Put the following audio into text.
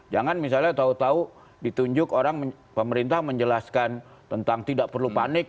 jangan misalnya tahu tahu ditunjuk orang pemerintah menjelaskan tentang tidak perlu panik